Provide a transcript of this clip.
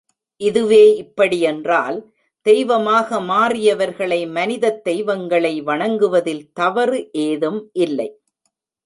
இதுவே இப்படி என்றால், தெய்வமாக மாறியவர்களை மனிதத் தெய்வங்களை வணங்குவதில் தவறு ஏதும் இல்லை.